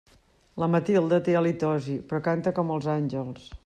La Matilde té halitosi, però canta com els àngels.